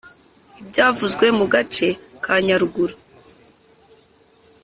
ibyavuzwe mu gace ka nyaruguru